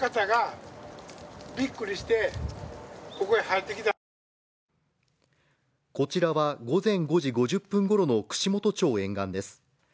こちらは午前５時５０分ごろの串本町沿岸です。